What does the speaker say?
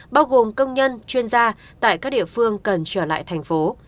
bao gồm công nhân chuyên gia tại các địa phương cần trở lại thành phố